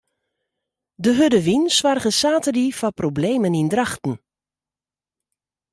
De hurde wyn soarge saterdei foar problemen yn Drachten.